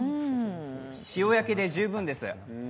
塩焼きで十分です。